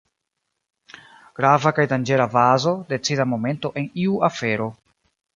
Grava kaj danĝera fazo, decida momento en iu afero.